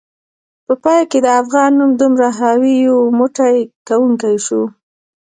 په پای کې د افغان نوم دومره حاوي، یو موټی کونکی شو